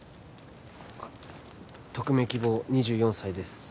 あっ匿名希望２４歳です